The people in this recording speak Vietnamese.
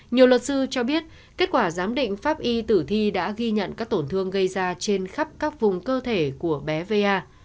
nhiều luật sư cho biết kết quả giám định pháp y tử thi đã ghi nhận các tổn thương gây ra trên khắp các vùng cơ thể của bé va